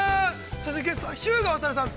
そしてゲストは日向亘さん。